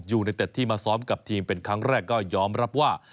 ยูเนเต็ดที่มาซ้อมกับทีมเป็นครั้งแรกก็ยอมรับว่า